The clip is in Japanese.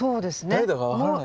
誰だか分からない。